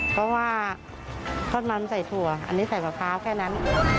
เพราะว่าทอดมันใส่ถั่วอันนี้ใส่มะพร้าวแค่นั้น